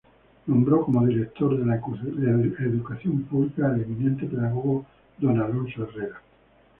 Nombró como Director de la Educación Pública al eminente pedagogo Don Alfonso Herrera.